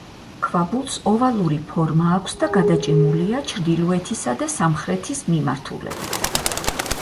ქვაბულს ოვალური ფორმა აქვს და გადაჭიმულია ჩრდილოეთისა და სამხრეთის მიმართულებით.